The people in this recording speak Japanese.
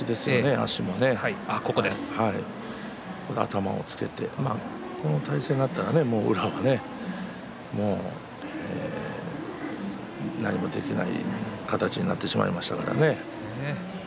足も頭をつけてこの体勢になったら、もう宇良も何もできない形になってしまいましたね。